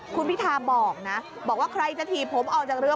คุณพิธาบอกนะบอกว่าใครจะถีบผมออกจากเรือ